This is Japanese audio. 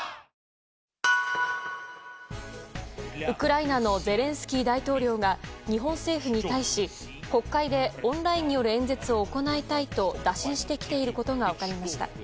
ウクライナのゼレンスキー大統領が日本政府に対し国会でオンラインによる演説を行いたいと打診してきていることが分かりました。